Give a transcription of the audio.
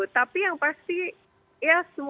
tapi yang pasti ya semua